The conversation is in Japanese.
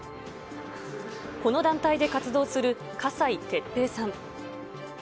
この団体で活動する笠井哲平さん。